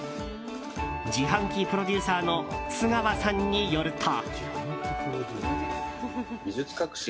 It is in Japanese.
自販機プロデューサーの都河さんによると。